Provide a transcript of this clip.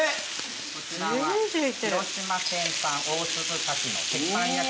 こちらは広島県産大粒カキの鉄板焼きになります。